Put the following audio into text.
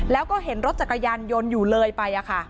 แล้วก็เห็นรถจักรยานยนต์ยนต์อยู่เลยไปอ่ะค่ะ